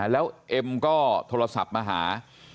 แล้วเอ็มก็โทรศัพท์มาหา